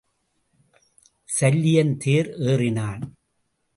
சல்லியன் தேர் ஏறினான்.